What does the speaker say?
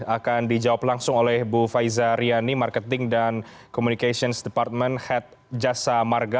akan dijawab langsung oleh bu faiza riani marketing dan communications department head jasa marga